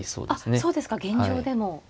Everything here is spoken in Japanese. そうですか現状でも。